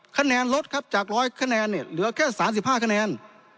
คะแนนลดครับจากร้อยคะแนนเนี่ยเหลือแค่สามสิบห้าคะแนน